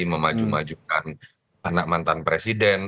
memajukan anak mantan presiden